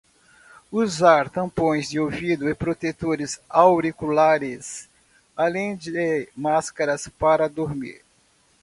Usar tampões de ouvido e protetores auriculares, além de máscara para dormir